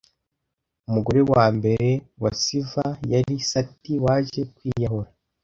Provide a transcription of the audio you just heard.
umugore wa mbere wa Siva yari Sati waje kwiyahura